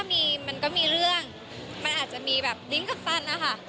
มันก็มีเรื่องมันอาจจะมีแบบดิ้งกัปตันนะคะ